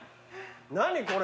何これ。